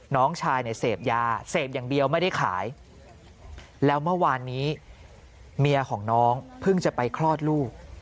น้องชายเนี่ยเสพยาเสพอย่างเดียวไม่ได้ขายแล้วเมื่อวานนี้เมียของน้องเพิ่งจะไปคลอดลูก